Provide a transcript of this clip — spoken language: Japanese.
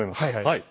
はい。